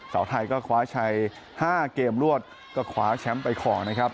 สาวไทยก็คว้าชัย๕เกมรวดก็คว้าแชมป์ไปขอนะครับ